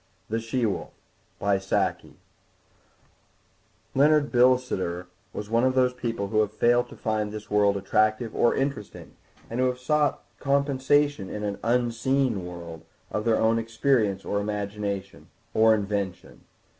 THE SHE WOLF Leonard Bilsiter was one of those people who have failed to find this world attractive or interesting, and who have sought compensation in an "unseen world" of their own experience or imagination—or invention.